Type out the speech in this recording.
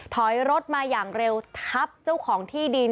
ถอยรถมาอย่างเร็วทับเจ้าของที่ดิน